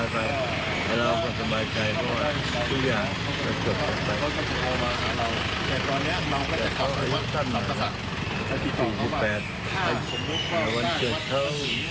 ถ้าพูดอะไรกับเรา